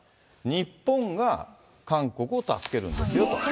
日本が韓国を助けるんですよと。